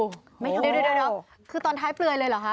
เดี๋ยวคือตอนท้ายเปลือยเลยเหรอคะ